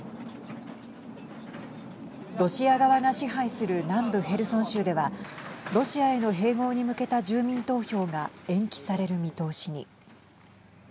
ロシア側が支配する南部ヘルソン州ではロシアへの併合に向けた住民投票が延期される見通しに。